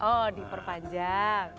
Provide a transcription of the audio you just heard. oh di perpanjang